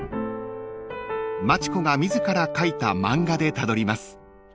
［町子が自ら描いた漫画でたどります］